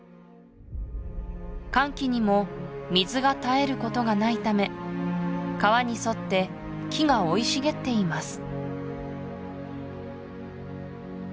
乾季にも水が絶えることがないため川に沿って木が生い茂っています